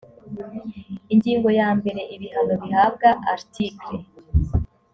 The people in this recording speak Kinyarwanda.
ingingo ya mbere ibihano bihabwa article